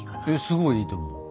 すごいいいと思う。